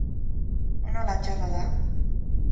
Ona ala txarra da?